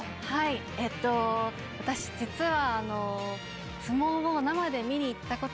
私実は。